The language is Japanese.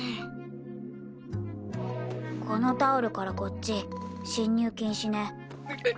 このタオルからこっち進入禁止ね。